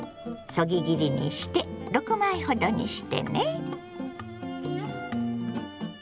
そぎ切りにして６枚ほどにしてね。